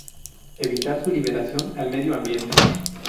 Evitar su liberación al medio ambiente.